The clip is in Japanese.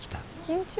緊張。